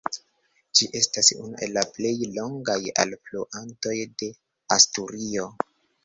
Ĝi estas unu el la plej longaj alfluantoj de Asturio.